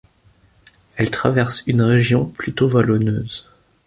Elle traverse une région plutôt vallonneuse.